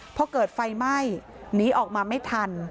พอเกิดไฟไหม้หนีออกมาไม่ทัน